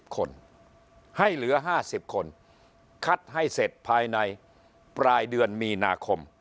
คนให้เหลือ๕๐คนคัดให้เสร็จภายในปลายเดือนมีนาคม